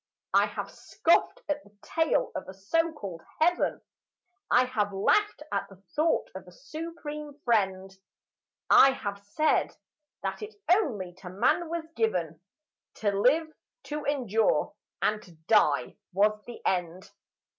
I have scoffed at the tale of a so called heaven; I have laughed at the thought of a Supreme Friend; I have said that it only to man was given To live, to endure; and to die was the end.